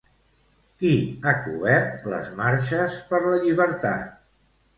Qui ha cobert les Marxes per la Llibertat?